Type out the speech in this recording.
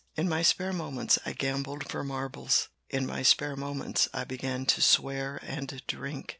"In my spare moments I gambled for marbles." "In my spare moments I began to swear and drink."